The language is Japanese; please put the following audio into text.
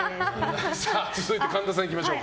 続いて、神田さんいきましょう。